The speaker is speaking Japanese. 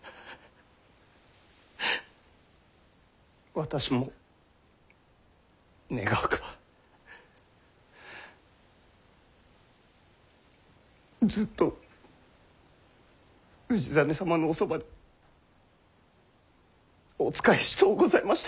私も願わくばずっと氏真様のおそばでお仕えしとうございました。